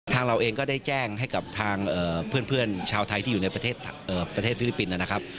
เราเองก็ได้แจ้งให้กับทางเพื่อนชาวไทยที่อยู่ในประเทศฟิลิปปินส์นะครับ